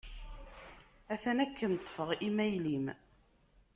Atan akken ṭṭfeɣ imayl-im.